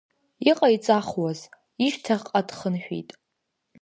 Иҟаиҵахуаз, ишьҭахьҟа дхынҳәит.